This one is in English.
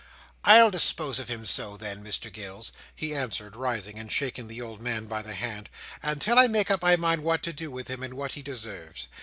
"I'll dispose of him so, then, Mr Gills," he answered, rising, and shaking the old man by the hand, "until I make up my mind what to do with him, and what he deserves.